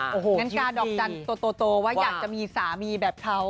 งั้นกาดอกจันทร์ตัวโตว่าอยากจะมีสามีแบบเขา